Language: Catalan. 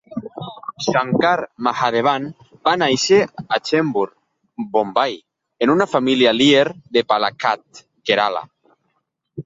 Shankar Mahadevan va néixer a Chembur, Bombai, en una família lyer de Palakkad, Kerala.